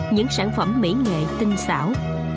những sản phẩm mỹ nghệ tinh xảo